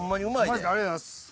ありがとうございます！